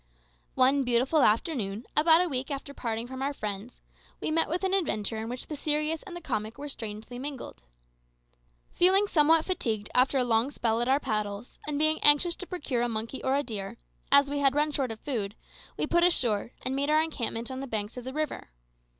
One beautiful afternoon, about a week after parting from our friends, we met with an adventure in which the serious and the comic were strangely mingled. Feeling somewhat fatigued after a long spell at our paddles, and being anxious to procure a monkey or a deer, as we had run short of food, we put ashore, and made our encampment on the banks of the river.